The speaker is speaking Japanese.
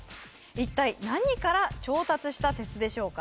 一体何から調達した鉄でしょうか？